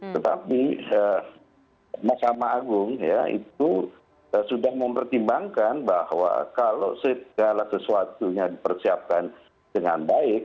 tetapi mahkamah agung ya itu sudah mempertimbangkan bahwa kalau segala sesuatunya dipersiapkan dengan baik